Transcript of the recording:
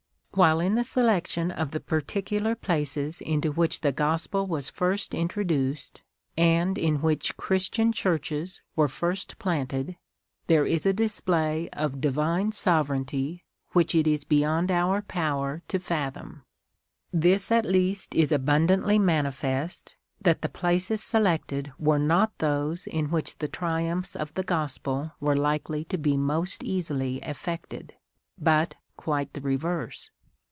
Wliile in the selection of the particular places into which the Grospel was first introduced, and in which Christian Churches Avere first planted, there is a display of Divine sovereignty which it is beyond our power to fathom, this at least is abundantly manifest, that the places selected were not those in which the triumphs of the Gospel were likely to be most easily effected, but quite the reverse.